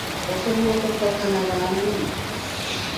Osobola okukakkana bambi ?